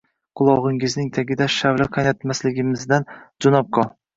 Qulog‘ingning tagida shavla qaynatmasimizdan jo‘nab qol